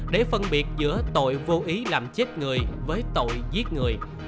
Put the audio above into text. để phân biệt giữa tội vô ý làm chết người với tội giết người